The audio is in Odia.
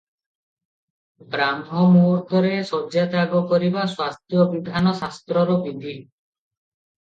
ବ୍ରାହ୍ମମୁହୂର୍ତ୍ତରେ ଶଯ୍ୟାତ୍ୟାଗ କରିବା ସ୍ୱାସ୍ଥ୍ୟ - ବିଧାନ ଶାସ୍ତ୍ରର ବିଧି ।